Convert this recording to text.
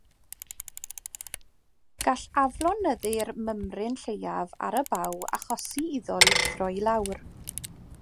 Gall aflonyddu'r mymryn lleiaf ar y baw achosi iddo lithro i lawr.